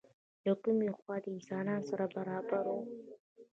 له کومې خوا انسانان سره برابر وو؟